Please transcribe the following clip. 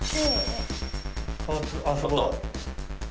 あっそこだ。